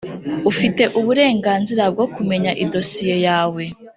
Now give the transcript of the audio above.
Ufite uburenganzira bwo kumenya idosiye yawe